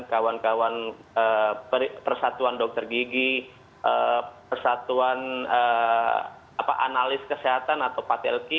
kawan kawan persatuan dokter gigi persatuan analis kesehatan atau patelki